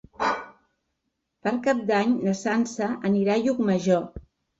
Per Cap d'Any na Sança anirà a Llucmajor.